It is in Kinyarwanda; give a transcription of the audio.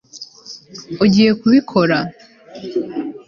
ugiye kubikora